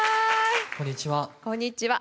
こんにちは。